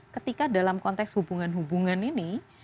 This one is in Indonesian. ketika dalam konteks hubungan hubungan ini